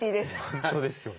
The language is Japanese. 本当ですよね。